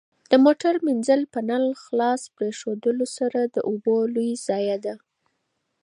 د موټر مینځل په نل خلاص پرېښودلو سره د اوبو لوی ضایع ده.